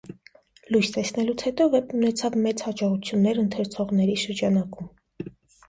Լույս տեսնելուց հետո վեպն ունեցավ մեծ հաջողություններ ընթերցողների շրջանակում։